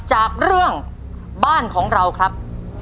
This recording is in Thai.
จากเรื่องบ้านของเราครับ